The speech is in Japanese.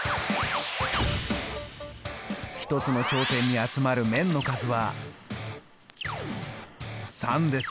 １つの頂点に集まる面の数は３です。